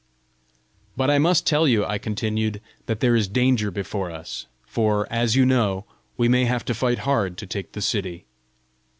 "But I must tell you," I continued, "that there is danger before us, for, as you know, we may have to fight hard to take the city."